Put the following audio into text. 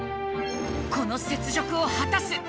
この雪辱を果たす！